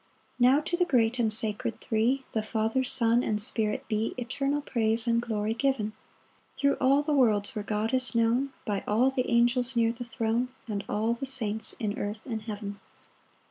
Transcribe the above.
Now to the great and sacred Three, The Father, Son, and Spirit be Eternal praise and glory given, Thro' all the worlds where God is known, By all the angels near the throne, And all the saints in earth and heaven.